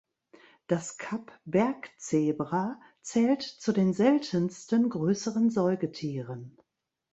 Das Kap-Bergzebra zählt zu den seltensten größeren Säugetieren.